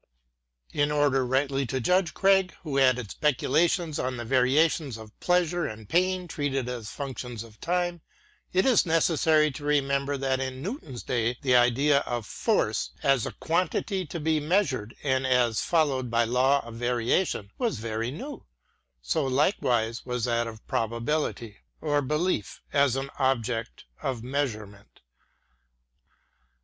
In order rightly to judge Craig, who added speculations on the variations of pleasure and pain treated as functions of time, it is necessary to remember that in Newton's day the idea of force, as a quantity to be measured, and as following a law of variation, was very new: so likewise was that of probability, or belief, as an object of measurement.